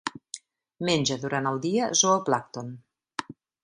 Menja durant el dia zooplàncton.